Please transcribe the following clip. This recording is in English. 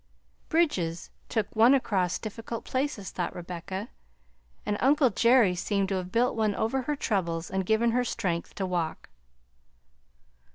Bridges took one across difficult places, thought Rebecca, and uncle Jerry seemed to have built one over her troubles and given her strength to walk.